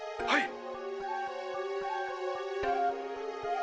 はい！